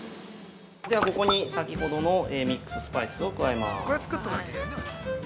◆では、ここに先ほどのミックススパイスを加えます。